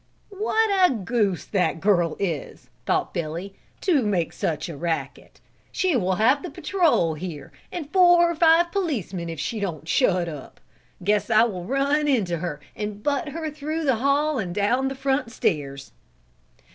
"What a goose that girl is," thought Billy, "to make such a racket, she will have the patrol here and four or five policemen if she don't shut up. Guess I will run into her and butt her through the hall and down the front stairs."